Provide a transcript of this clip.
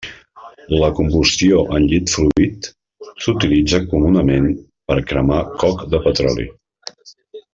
La combustió en llit fluid s'utilitza comunament per cremar coc de petroli.